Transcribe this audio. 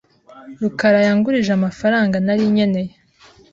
rukarayangurije amafaranga nari nkeneye.